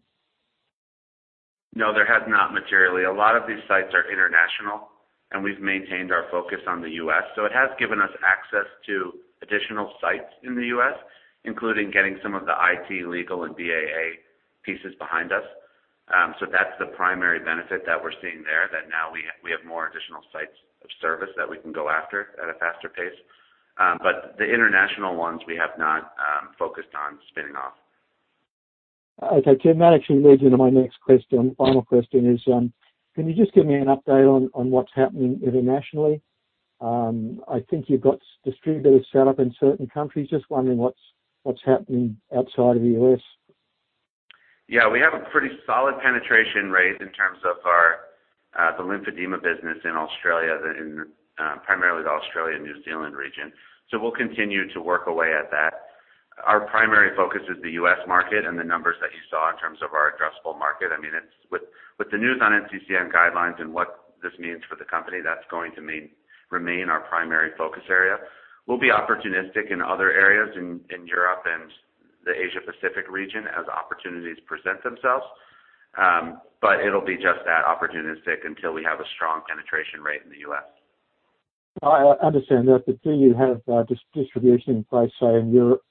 No, there has not materially. A lot of these sites are international, and we've maintained our focus on the U.S. It has given us access to additional sites in the U.S., including getting some of the IT, legal, and BAA pieces behind us. That's the primary benefit that we're seeing there, that now we have more additional sites of service that we can go after at a faster pace. The international ones we have not focused on spinning off. Okay, Tim, that actually leads into my next question. Final question is, can you just give me an update on what's happening internationally? I think you've got distributors set up in certain countries. Just wondering what's happening outside of the U.S. We have a pretty solid penetration rate in terms of our, the lymphedema business in Australia, in, primarily the Australia-New Zealand region. We'll continue to work away at that. Our primary focus is the U.S. market and the numbers that you saw in terms of our addressable market. I mean, it's... With the news on NCCN guidelines and what this means for the company, that's going to remain our primary focus area. We'll be opportunistic in other areas in Europe and the Asia Pacific region as opportunities present themselves. It'll be just that, opportunistic, until we have a strong penetration rate in the U.S. I understand that. Do you have distribution in place, say, in Europe,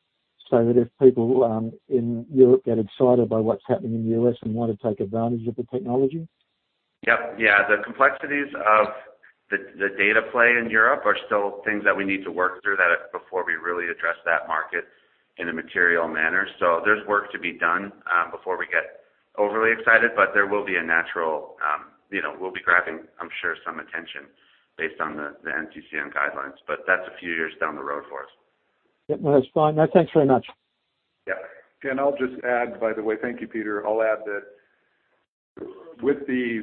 if people in Europe get excited by what's happening in the U.S. and want to take advantage of the technology? Yep. Yeah. The complexities of the data play in Europe are still things that we need to work through that before we really address that market in a material manner. There's work to be done before we get overly excited, but there will be a natural, you know, we'll be grabbing, I'm sure, some attention based on the NCCN guidelines, but that's a few years down the road for us. Yep. No, that's fine. No, thanks very much. Yeah. I'll just add, by the way. Thank you, Peter. I'll add that with the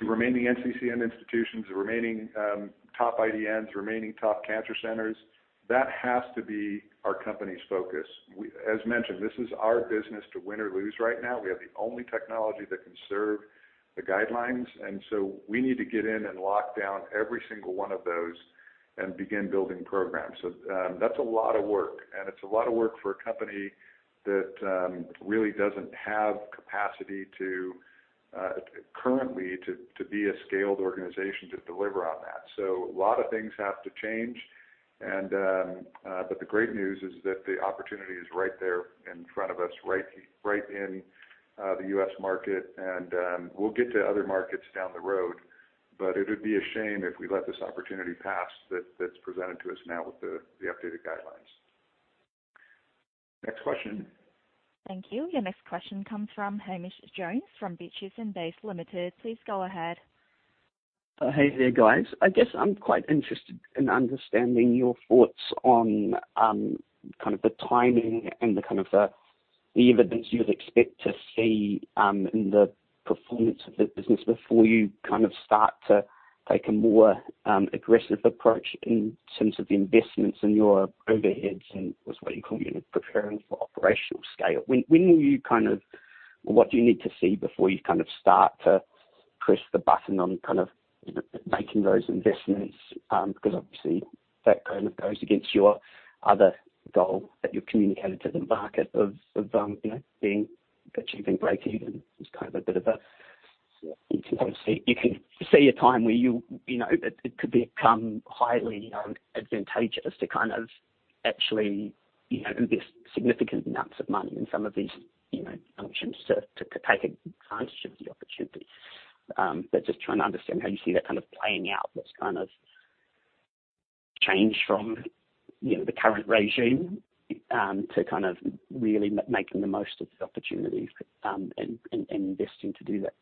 remaining NCCN institutions, the remaining top IDNs, remaining top cancer centers, that has to be our company's focus. As mentioned, this is our business to win or lose right now. We have the only technology that can serve the guidelines, we need to get in and lock down every single one of those and begin building programs. That's a lot of work, and it's a lot of work for a company that really doesn't have capacity currently to be a scaled organization to deliver on that. A lot of things have to change, the great news is that the opportunity is right there in front of us, right in the U.S. market. We'll get to other markets down the road, but it would be a shame if we let this opportunity pass that's presented to us now with the updated guidelines. Next question. Thank you. Your next question comes from Hamish Jones from Beaches and Bays Limited. Please go ahead. Hey there, guys. I guess I'm quite interested in understanding your thoughts on kind of the timing and the kind of the evidence you'd expect to see in the performance of the business before you kind of start to take a more aggressive approach in terms of the investments in your overheads and what you call preparing for operational scale. What do you need to see before you kind of start to press the button on kind of, you know, making those investments? Obviously that kind of goes against your other goal that you've communicated to the market of, you know, achieving breakeven. It's kind of a bit of a... You can kind of see, you can see a time where you know, it could become highly advantageous to kind of actually, you know, invest significant amounts of money in some of these, you know, functions to take advantage of the opportunity. Just trying to understand how you see that kind of playing out, what's kind of changed from, you know, the current regime, to kind of really making the most of the opportunities, and investing to do that.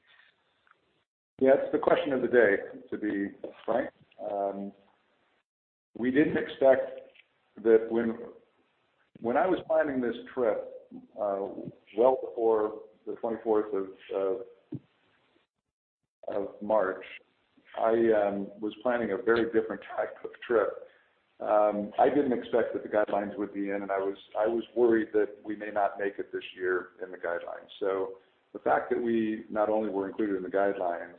Yeah, it's the question of the day, to be frank. We didn't expect that when I was planning this trip, well before the 24th of March, I was planning a very different type of trip. I didn't expect that the guidelines would be in, and I was worried that we may not make it this year in the guidelines. The fact that we not only were included in the guidelines,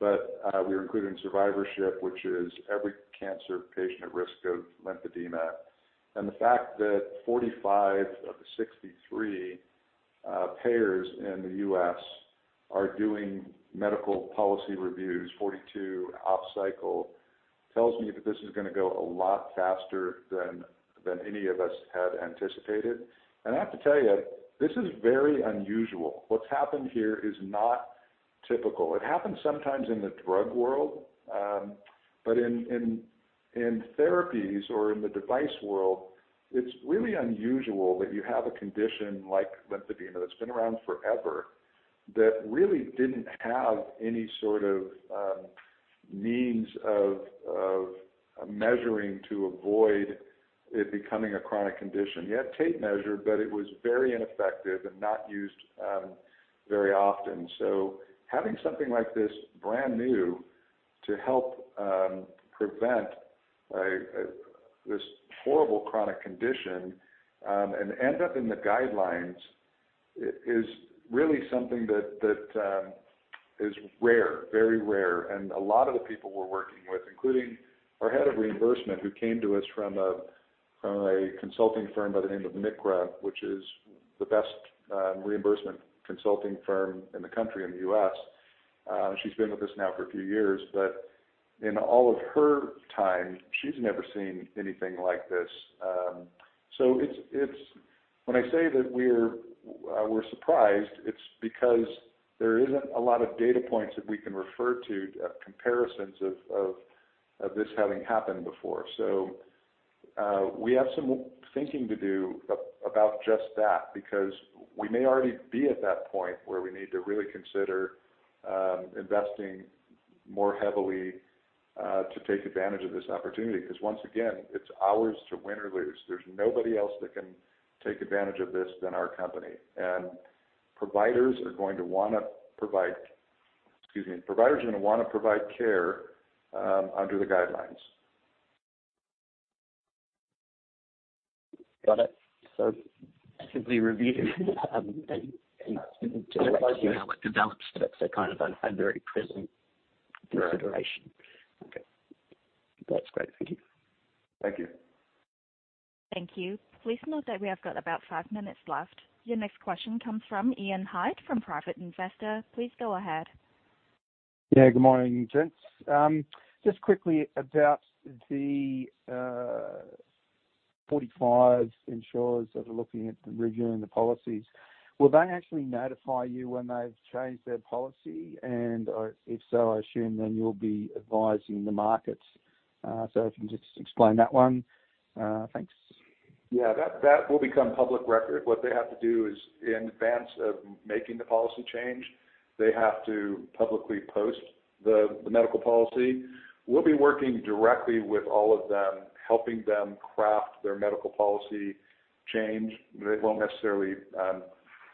but we were included in survivorship, which is every cancer patient at risk of lymphedema, and the fact that 45 of the 63 payers in the U.S. are doing medical policy reviews, 42 off cycle, tells me that this is gonna go a lot faster than any of us had anticipated. I have to tell you, this is very unusual. What's happened here is not typical. It happens sometimes in the drug world, but in therapies or in the device world, it's really unusual that you have a condition like lymphedema that's been around forever, that really didn't have any sort of means of measuring to avoid it becoming a chronic condition. You had tape measure, but it was very ineffective and not used very often. Having something like this brand new to help prevent this horrible chronic condition and end up in the guidelines is really something that. Is rare, very rare. A lot of the people we're working with, including our head of reimbursement, who came to us from a consulting firm by the name of MCRA, which is the best reimbursement consulting firm in the country, in the U.S. She's been with us now for a few years, but in all of her time, she's never seen anything like this. When I say that we're surprised, it's because there isn't a lot of data points that we can refer to, comparisons of this having happened before. We have some thinking to do about just that because we may already be at that point where we need to really consider, investing more heavily to take advantage of this opportunity. Once again, it's ours to win or lose. There's nobody else that can take advantage of this than our company. Providers are going to wanna provide care under the guidelines. Got it. actively review, and just let you know what develops that are kind of under a very present consideration. Right. Okay, that's great. Thank you. Thank you. Thank you. Please note that we have got about 5 minutes left. Your next question comes from Ian Hyde, from Private Investor. Please go ahead. Yeah, good morning, gents. Just quickly about the 45 insurers that are looking at reviewing the policies. Will they actually notify you when they've changed their policy? If so, I assume then you'll be advising the markets. If you can just explain that one, thanks. That will become public record. What they have to do is in advance of making the policy change, they have to publicly post the medical policy. We'll be working directly with all of them, helping them craft their medical policy change. They won't necessarily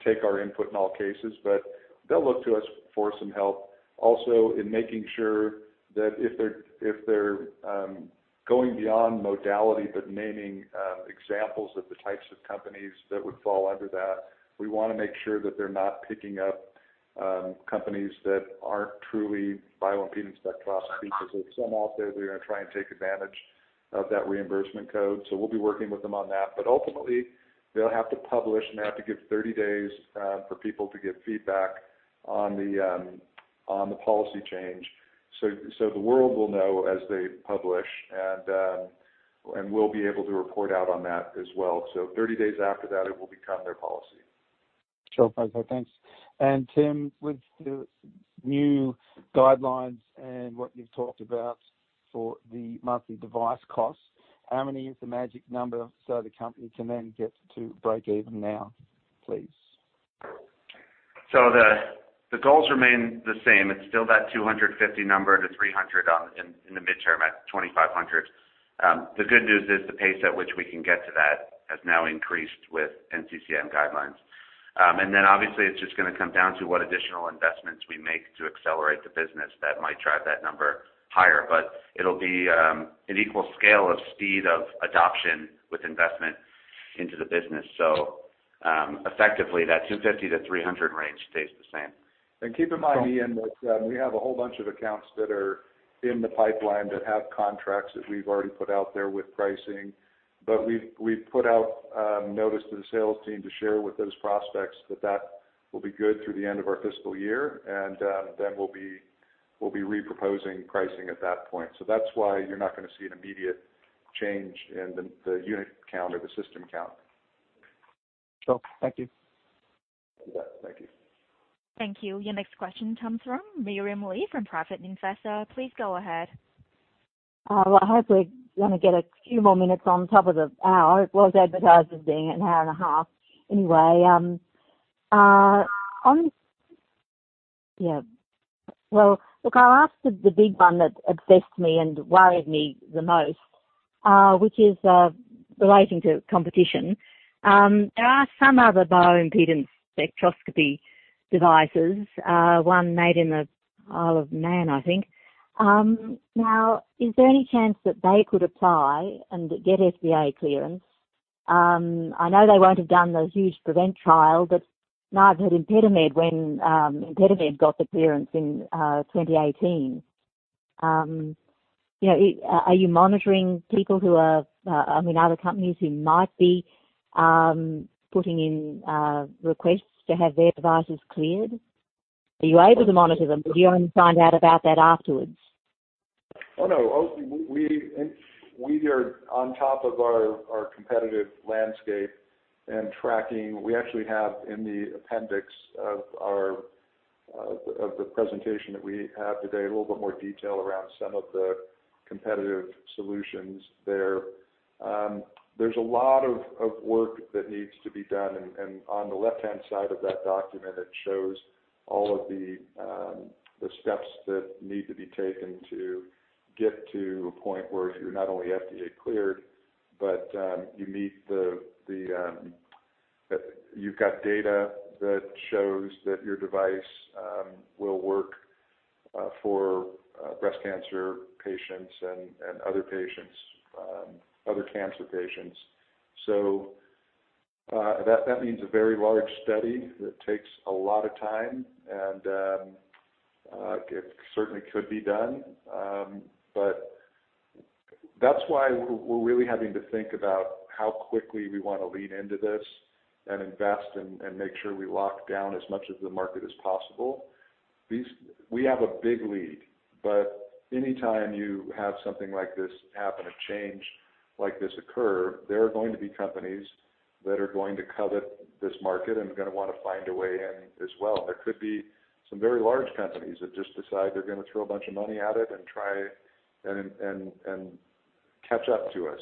take our input in all cases, but they'll look to us for some help. Also in making sure that if they're going beyond modality, but naming examples of the types of companies that would fall under that, we wanna make sure that they're not picking up companies that aren't truly bioimpedance spectroscopy. There's some out there who are gonna try and take advantage of that reimbursement code. We'll be working with them on that. Ultimately, they'll have to publish, and they have to give 30 days for people to give feedback on the on the policy change. The world will know as they publish, and and we'll be able to report out on that as well. 30 days after that it will become their policy. Sure. Okay, thanks. Tim, with the new guidelines and what you've talked about for the monthly device costs, how many is the magic number so the company can then get to break even now, please? The goals remain the same. It's still that 250 number to 300 on, in the midterm at 2,500. The good news is the pace at which we can get to that has now increased with NCCN guidelines. Obviously, it's just gonna come down to what additional investments we make to accelerate the business that might drive that number higher. It'll be an equal scale of speed of adoption with investment into the business. Effectively, that 250 to 300 range stays the same. Keep in mind, Ian, that we have a whole bunch of accounts that are in the pipeline that have contracts that we've already put out there with pricing. We've put out notice to the sales team to share with those prospects that that will be good through the end of our fiscal year. Then we'll be re-proposing pricing at that point. That's why you're not gonna see an immediate change in the unit count or the system count. Sure. Thank you. You bet. Thank you. Thank you. Your next question comes from Miriam Lee, from Private Investor. Please go ahead. Well, hopefully, we're gonna get a few more minutes on top of the hour. It was advertised as being an hour and a half. Anyway. Yeah. Well, look, I'll ask the big one that obsessed me and worried me the most, which is relating to competition. There are some other bioimpedance spectroscopy devices, one made in the Isle of Man, I think. Now, is there any chance that they could apply and get FDA clearance? I know they won't have done the huge PREVENT Trial, but now I've heard ImpediMed when ImpediMed got the clearance in 2018. You know, are you monitoring people who are, I mean, other companies who might be putting in requests to have their devices cleared? Are you able to monitor them, or do you only find out about that afterwards? No. We are on top of our competitive landscape and tracking. We actually have in the appendix of our of the presentation that we have today, a little bit more detail around some of the competitive solutions there. There's a lot of work that needs to be done and on the left-hand side of that document, it shows all of the steps that need to be taken to get to a point where you're not only FDA-cleared, but you meet the, you've got data that shows that your device will work for breast cancer patients and other patients, other cancer patients. That means a very large study that takes a lot of time, and it certainly could be done. That's why we're really having to think about how quickly we wanna lean into this and invest and make sure we lock down as much of the market as possible. Any time you have something like this happen, a change like this occur, there are going to be companies that are going to covet this market and gonna wanna find a way in as well. There could be some very large companies that just decide they're gonna throw a bunch of money at it and try and catch up to us.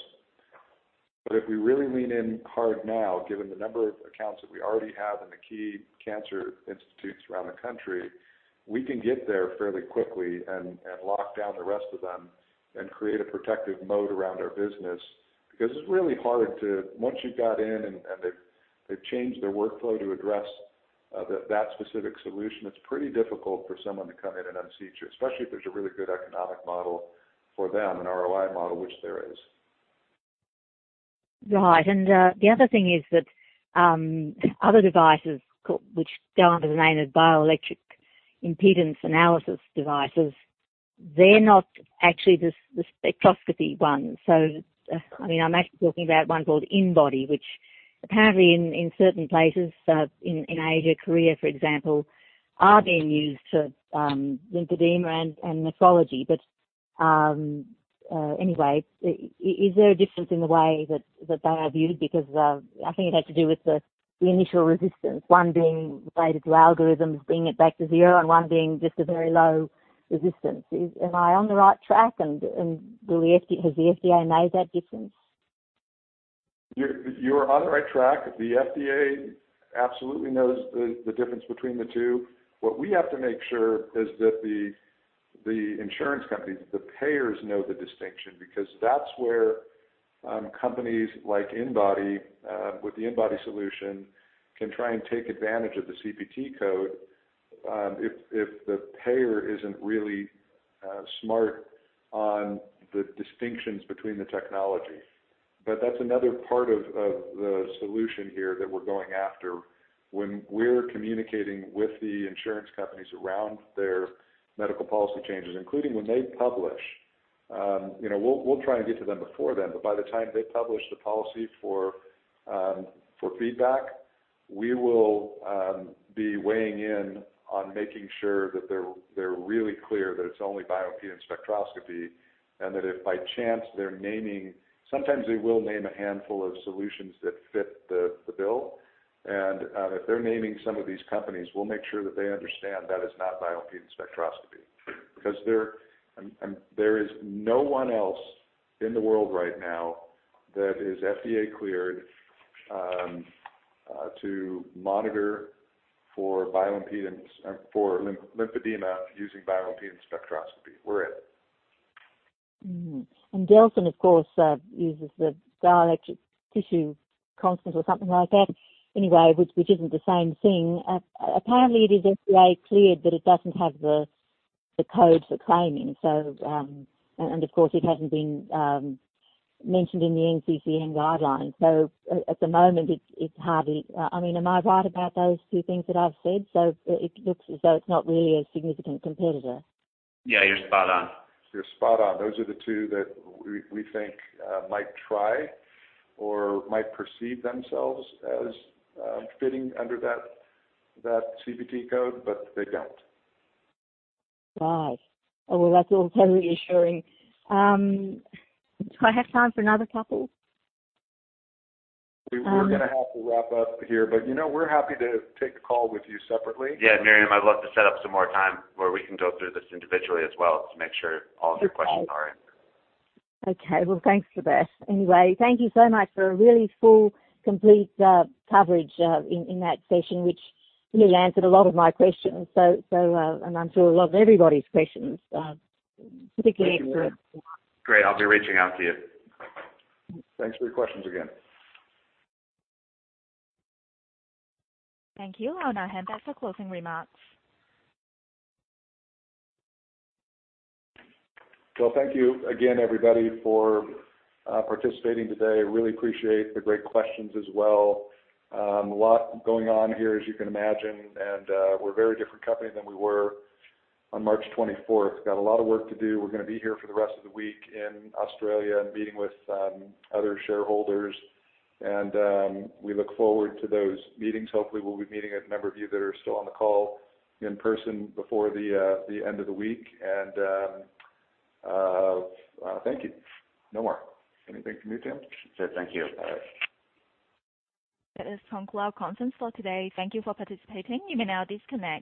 If we really lean in hard now, given the number of accounts that we already have in the key cancer institutes around the country, we can get there fairly quickly and lock down the rest of them and create a protective moat around our business. It's really hard to. Once you've got in and they've changed their workflow to address that specific solution, it's pretty difficult for someone to come in and unseat you, especially if there's a really good economic model for them, an ROI model, which there is. Right. The other thing is that other devices which go under the name of bioelectric impedance analysis devices, they're not actually the spectroscopy ones. I mean, I'm actually talking about one called InBody, which apparently in certain places in Asia, Korea, for example, are being used for lymphedema and nephrology. Anyway, is there a difference in the way that they are viewed? Because I think it had to do with the initial resistance, one being related to algorithms, bringing it back to zero, and one being just a very low resistance. Am I on the right track, and has the FDA made that difference? You're on the right track. The FDA absolutely knows the difference between the two. What we have to make sure is that the insurance companies, the payers know the distinction, because that's where companies like InBody with the InBody solution can try and take advantage of the CPT code if the payer isn't really smart on the distinctions between the technology. That's another part of the solution here that we're going after when we're communicating with the insurance companies around their medical policy changes, including when they publish. You know, we'll try and get to them before then, but by the time they publish the policy for feedback, we will be weighing in on making sure that they're really clear that it's only bioimpedance spectroscopy and that if by chance they're naming... Sometimes they will name a handful of solutions that fit the bill. If they're naming some of these companies, we'll make sure that they understand that is not bioimpedance spectroscopy. There is no one else in the world right now that is FDA cleared to monitor for bioimpedance or for lymphedema using bioimpedance spectroscopy. We're it. Mm-hmm. Delfin, of course, uses the tissue dielectric constant or something like that. Anyway, which isn't the same thing. Apparently it is FDA cleared, but it doesn't have the code for claiming. Of course, it hasn't been mentioned in the NCCN guidelines. At the moment, it's hardly... I mean, am I right about those two things that I've said? It looks as though it's not really a significant competitor. Yeah, you're spot on. You're spot on. Those are the two that we think might try or might perceive themselves as fitting under that CPT code, but they don't. Right. Well, that's all totally reassuring. Do I have time for another couple? We're gonna have to wrap up here. You know, we're happy to take a call with you separately. Yeah, Miriam, I'd love to set up some more time where we can go through this individually as well just to make sure all of your questions are answered. Well, thanks for that. Thank you so much for a really full, complete coverage in that session, which really answered a lot of my questions. I'm sure a lot of everybody's questions, particularly. Great. I'll be reaching out to you. Thanks for your questions again. Thank you. I'll now hand back for closing remarks. Well, thank you again, everybody, for participating today. Really appreciate the great questions as well. A lot going on here, as you can imagine, and we're a very different company than we were on March 24th. Got a lot of work to do. We're gonna be here for the rest of the week in Australia and meeting with other shareholders. We look forward to those meetings. Hopefully, we'll be meeting a number of you that are still on the call in person before the end of the week. Thank you. No more. Anything from you, Tim? That's it. Thank you. All right. That is conclude our conference for today. Thank you for participating. You may now disconnect.